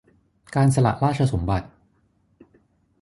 การสละราชสมบัติ